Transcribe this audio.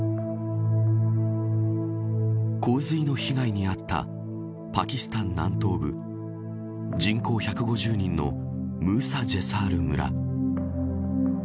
洪水の被害に遭ったパキスタン南東部人口１５０人のムーサ・ジェサール村。